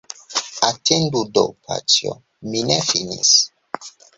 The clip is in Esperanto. Atendu do, paĉjo, mi ne finis.